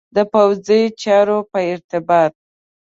د پوځي چارو په ارتباط.